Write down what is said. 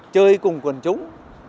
chơi cùng quần chúng